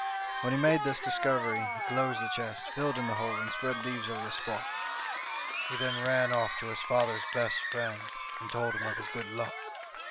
When he made this discovery he closed the chest, filled in the hole, and spread leaves over the spot. He then ran off to his father's best friend, and told him of his good luck.